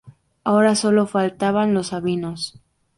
Ahora sólo faltaban los sabinos.